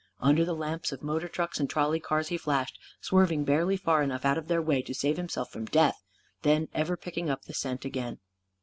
Under the lamps of motor trucks and trolley cars he flashed, swerving barely far enough out of their way to save himself from death; then ever picking up the scent again.